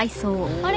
あれ？